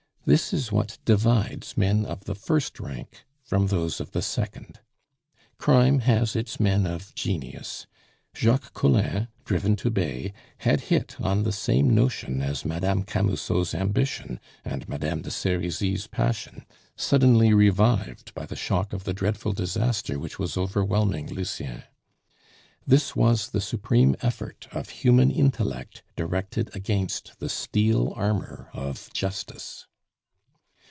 This is what divides men of the first rank from those of the second. Crime has its men of genius. Jacques Collin, driven to bay, had hit on the same notion as Madame Camusot's ambition and Madame de Serizy's passion, suddenly revived by the shock of the dreadful disaster which was overwhelming Lucien. This was the supreme effort of human intellect directed against the steel armor of Justice.